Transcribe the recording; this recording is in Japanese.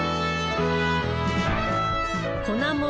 粉もん